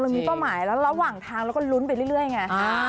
มีเป้าหมายแล้วระหว่างทางเราก็ลุ้นไปเรื่อยไง